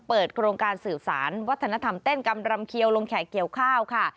โครงการสื่อสารวัฒนธรรมเต้นกำรำเขียวลงแขกเกี่ยวข้าวค่ะ